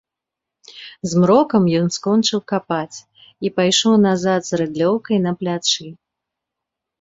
Змрокам ён скончыў капаць і пайшоў назад з рыдлёўкай на плячы.